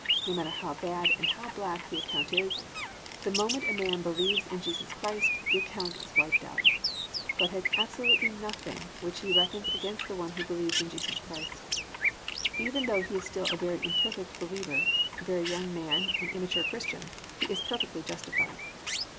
No matter how bad and how black the account is, the moment a man believes in Jesus Christ, the account is wiped out. God has absolutely nothing which He reckons against the one who believes in Jesus Christ. Even though he is still a very imperfect believer, a very young man and immature Christian, he is perfectly justified.